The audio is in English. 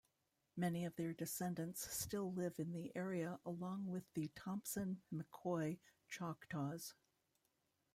Many of their descendants still live in the area along with the Thompson-McCoy Choctaws.